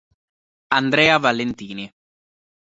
Andrea Valentini